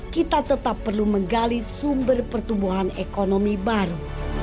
kita tetap perlu menggali sumber pertumbuhan ekonomi baru